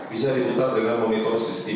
bisa diputar dengan monitor